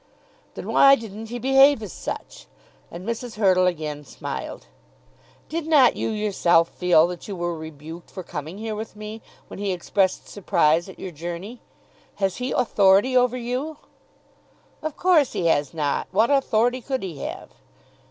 "Then why didn't he behave as such?" and Mrs. Hurtle again smiled. "Did not you yourself feel that you were rebuked for coming here with me, when he expressed surprise at your journey? Has he authority over you?" "Of course he has not. What authority could he have?"